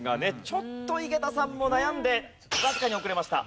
ちょっと井桁さんも悩んでわずかに遅れました。